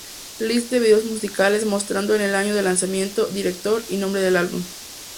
List de videos musicales, mostrando el año del lanzamiento, director y nombre del álbum